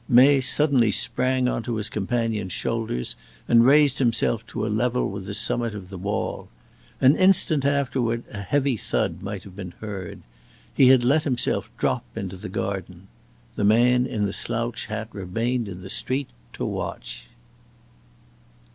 May suddenly sprang on to his companion's shoulders, and raised himself to a level with the summit of the wall. An instant afterward a heavy thud might have been heard. He had let himself drop into the garden. The man in the slouch hat remained in the street to watch.